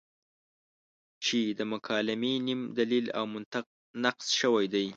چې د مکالمې نیم دلیل او منطق نقص شوی دی.